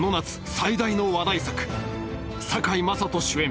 最大の話題作堺雅人主演